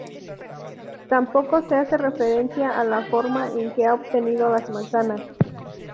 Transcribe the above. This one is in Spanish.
Tampoco se hace referencia a la forma en que ha obtenido las manzanas.